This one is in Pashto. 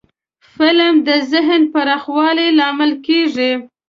فلم د ذهن پراخوالي لامل کېږي